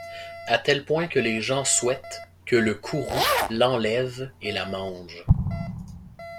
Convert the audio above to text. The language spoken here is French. A tel point que les gens souhaitent que le Kourou l'enlève et la mange.